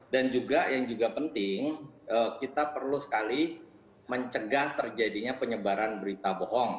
juga yang juga penting kita perlu sekali mencegah terjadinya penyebaran berita bohong